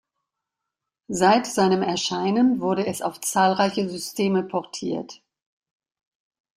Seit seinem Erscheinen wurde es auf zahlreiche Systeme portiert.